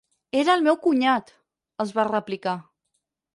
Era el meu cunyat! –els va replicar–.